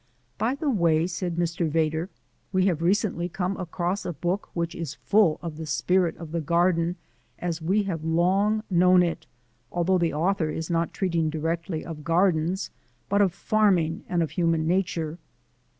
"By the way," said Mr. Vedder, "I have recently come across a book which is full of the spirit of the garden as we have long known it, although the author is not treating directly of gardens, but of farming and of human nature."